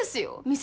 店